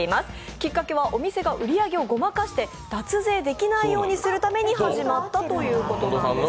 きっかけは、お店が売り上げをごまかして脱税できないようにするために始まったということです。